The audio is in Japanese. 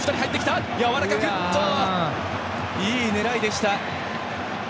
いい狙いでした。